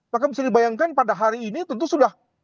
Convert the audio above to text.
maka bisa dibayangkan pada hari ini tentu sudah